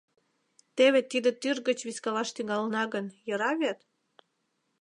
— Теве тиде тӱр гыч вискалаш тӱҥалына гын, йӧра вет?